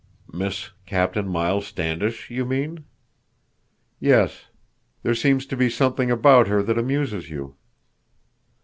"Miss Captain Miles Standish, you mean?" "Yes. There seems to be something about her that amuses you."